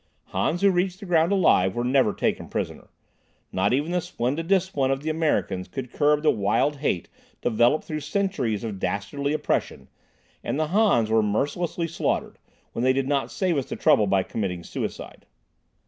Hans who reached the ground alive were never taken prisoner. Not even the splendid discipline of the Americans could curb the wild hate developed through centuries of dastardly oppression, and the Hans were mercilessly slaughtered, when they did not save us the trouble by committing suicide.